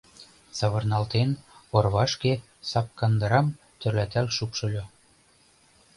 Савырналтен, орвашке сапкандырам тӧрлатал шупшыльо.